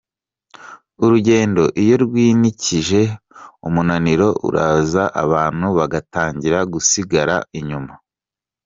Urugendo iyo rwinikije umunaniro uraza abantu bagatangira gusigara inyuma .